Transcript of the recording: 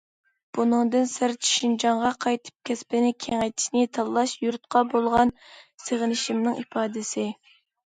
بۇنىڭدىن سىرت، شىنجاڭغا قايتىپ كەسىپنى كېڭەيتىشنى تاللاش يۇرتقا بولغان سېغىنىشىمنىڭ ئىپادىسى.